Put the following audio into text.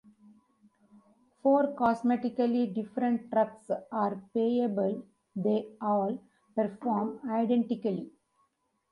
Four cosmetically different trucks are playable; they all perform identically.